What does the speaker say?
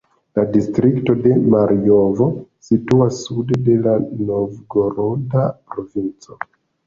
La distrikto de Marjovo situas sude de la Novgoroda provinco.